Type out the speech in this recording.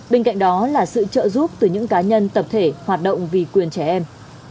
bên cạnh đó là sự trợ giúp từ những cá nhân tập thể hoạt động vì quyền trẻ em